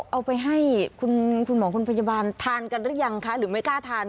เอาไปให้คุณหมอคุณพยาบาลทานกันหรือยังคะหรือไม่กล้าทาน